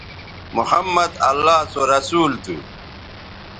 محمدؐ اللہ سو رسول تھو